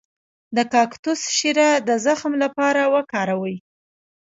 د کاکتوس شیره د زخم لپاره وکاروئ